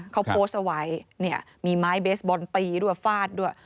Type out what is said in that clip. เขาโพสต์เอาไว้เนี่ยมีไม้เบสบอลตีด้วยฟาดด้วย